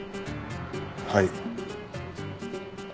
はい。